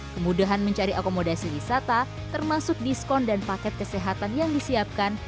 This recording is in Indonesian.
kemudahan mencari akomodasi wisata termasuk diskon dan paket kesehatan yang disiapkan